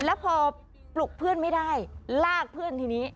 แล้วพอปลุกเพื่อนไม่ได้ลากเพื่อนทีนี้